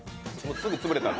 すぐ潰れたんで。